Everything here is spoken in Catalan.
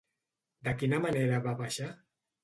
De quina manera va baixar?